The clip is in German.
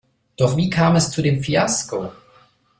Doch wie kam es zu dem Fiasko?